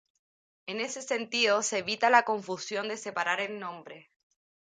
En ese sentido se evita la confusión de separar el nombre.